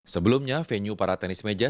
sebelumnya venue para tenis meja